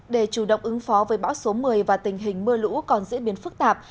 để chủ động ứng phó với bão số một mươi và tình hình mưa lũ còn diễn biến phức tạp